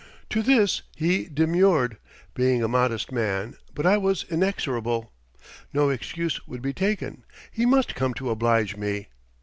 To this he demurred, being a modest man, but I was inexorable. No excuse would be taken; he must come to oblige me.